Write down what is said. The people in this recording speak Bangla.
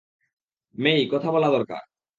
মেই, কথা বলা দরকার।